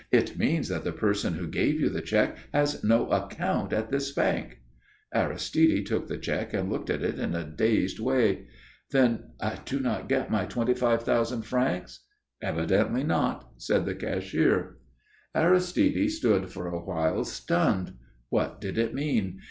"It means that the person who gave you the cheque has no account at this bank." Aristide took the cheque and looked at it in a dazed way. "Then I do not get my twenty five thousand francs?" "Evidently not," said the cashier. Aristide stood for a while stunned. What did it mean?